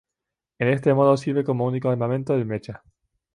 En este modo sirve como único armamento del mecha.